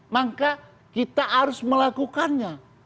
maka kita harus melakukannya